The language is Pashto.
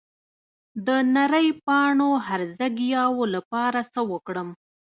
د نرۍ پاڼو هرزه ګیاوو لپاره څه وکړم؟